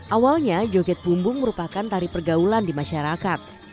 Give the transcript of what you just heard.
awalnya joget bumbung merupakan tari pergaulan di masyarakat